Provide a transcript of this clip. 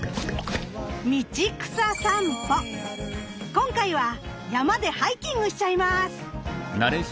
今回は山でハイキングしちゃいます。